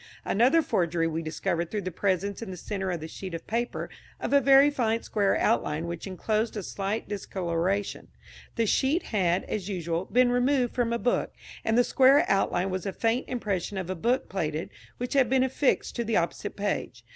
Another forgery we discovered through the presence in the centre of the sheet of paper of a very faint square outline which enclosed a slight discolouration. The sheet had, as usual, been removed from a book, and the square outline was a faint impression of a book plate which had been affixed to the opposite page.